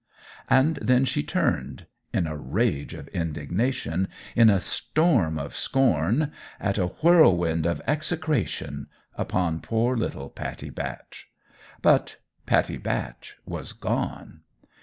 And then she turned in a rage of indignation in a storm of scorn in a whirlwind of execration upon poor little Pattie Batch. But Pattie Batch was gone.